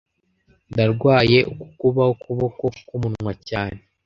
Ndarwaye uku kubaho kuboko kumunwa cyane